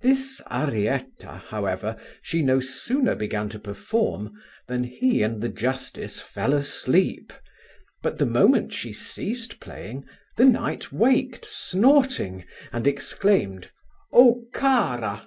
This arietta, however, she no sooner began to perform, than he and the justice fell asleep; but the moment she ceased playing, the knight waked snorting, and exclaimed, 'O cara!